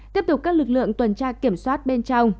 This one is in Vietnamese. tiếp tục các lực lượng tuần tra kiểm soát bên trong